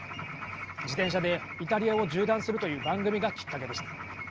自転車でイタリアを縦断するという番組がきっかけでした。